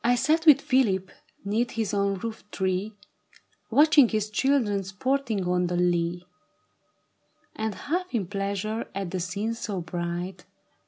SAT with Philip *neath his ovm roof tree, Watching his children sporting on the lea, ^ And haK in pleasure at a scene so bright, Ar.